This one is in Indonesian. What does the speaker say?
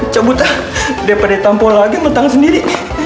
cabutlah daripada tampu lagi mentang sendiri